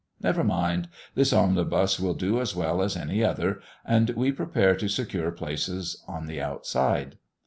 Never mind! this omnibus will do as well as any other, and we prepare to secure places on the outside.